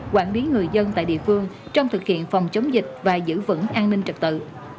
quản lý người dân tại địa phương trong thực hiện phòng chống dịch và giữ vững an ninh trật tự